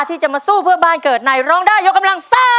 ที่จะมาสู้เพื่อบ้านเกิดในร้องได้ยกกำลังซ่า